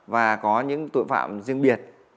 và có những tội phạm riêng biệt